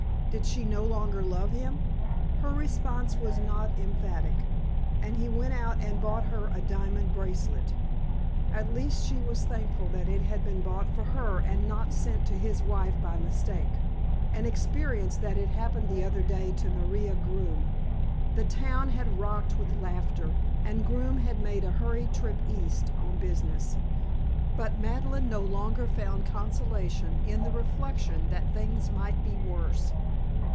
Did she no longer love him? Her response was not emphatic and he went out and bought her a diamond bracelet. At least she was thankful that it had been bought for her and not sent to his wife by mistake, an experience that had happened the other day to Maria Groome. The town had rocked with laughter and Groome had made a hurried trip East on business. But Madeleine no longer found consolation in the reflection that things might be worse.